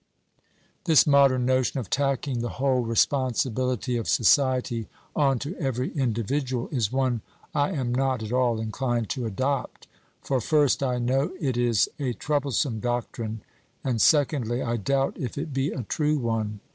This modern notion of tacking the whole responsibility of society on to every individual is one I am not at all inclined to adopt; for, first, I know it is a troublesome doctrine; and, secondly, I doubt if it be a true one.